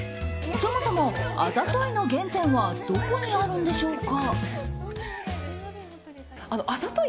そもそも、あざといの原点はどこにあるんでしょうか。